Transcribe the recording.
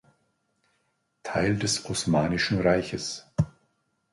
Teil des Osmanischen Reiches.